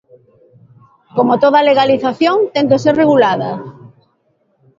Como toda legalización, ten que ser regulada.